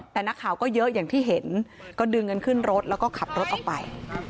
แต่นักข่าวก็เยอะอย่างที่เห็นก็ดึงกันขึ้นรถแล้วก็ขับรถออกไป